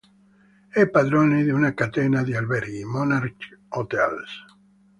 È padrone di una catena di alberghi, Monarch Hotels.